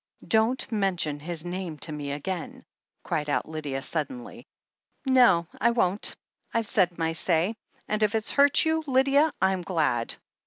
''Don't mention his name to me again/' cried out Lydia suddenly. "No, I won't I've said my say, and if it's hurt you, Lydia, I'm glad.